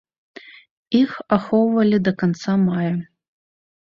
Іх ахоўвалі да канца мая.